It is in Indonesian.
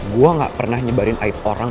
gue gak pernah nyebarin aib orang